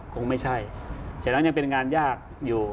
คงไม่ใช่ฉะนั้นยังเป็นงานยากอยู่